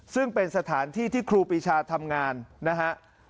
ซึ่งเป็นสถานที่ที่ครูปีชาทำงานนะฮะ